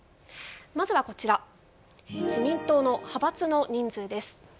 まずは自民党の派閥の人数です。